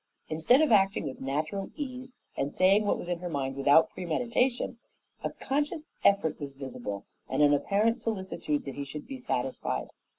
Instead of acting with natural ease and saying what was in her mind without premeditation, a conscious effort was visible and an apparent solicitude that he should be satisfied.